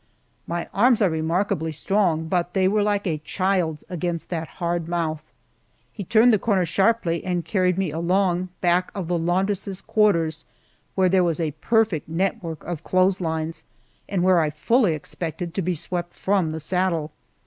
My arms are remarkably strong, but they were like a child's against that hard mouth. He turned the corner sharply and carried me along back of the laundress' quarters, where there was a perfect network of clothes lines, and where I fully expected to be swept from the saddle.